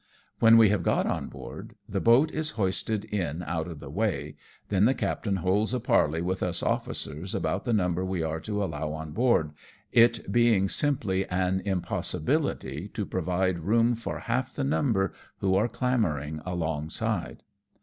When we have got on board, the boat is hoisted in out of the way ; then the captain holds a parley with us officers about the number we are to allow on board, it being simply an impossibility to provide room for half the number who are clamouring alongside.